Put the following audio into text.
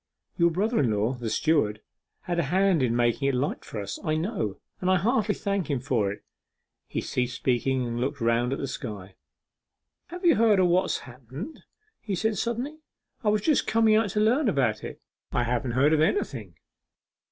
Your brother in law, the steward, had a hand in making it light for us, I know, and I heartily thank him for it.' He ceased speaking, and looked round at the sky. 'Have you heard o' what's happened?' he said suddenly; 'I was just coming out to learn about it.' 'I haven't heard of anything.